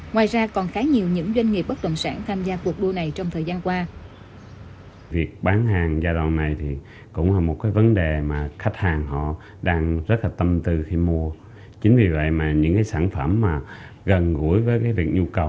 ngoài ra còn khá nhiều những doanh nghiệp bất động sản tham gia cuộc đua này trong thời gian qua